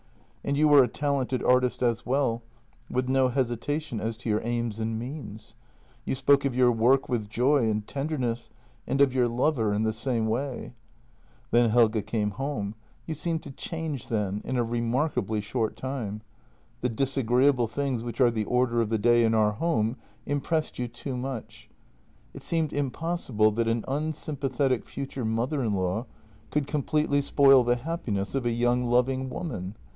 And you were a talented artist as well, with no hesitation as to your aim and means. You spoke of your work with jov and tenderness and of your lover in the same way. JENNY 169 "Then Helge came home. You seemed to change then — in a remarkably short time. The disagreeable things which are the order of the day in our home impressed you too much; it seemed impossible that an unsympathetic future mother in law could completely spoil the happiness of a young loving woman.